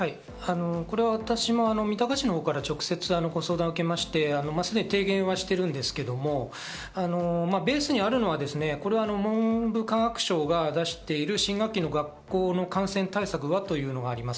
これは私も三鷹市のほうから直接ご相談を受けまして、すでに提言していますけど、ベースにあるのは文部科学省が出している新学期の学校の感染対策はというのがあります。